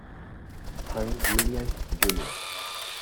Hank Williams Jr.